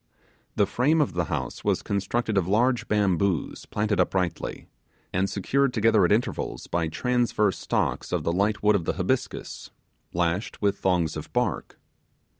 The frame of the house was constructed of large bamboos planted uprightly, and secured together at intervals by transverse stalks of the light wood of the habiscus, lashed with thongs of bark.